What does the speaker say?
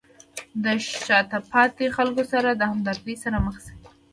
د شاته پاتې خلکو سره د همدردۍ سره مخ شئ.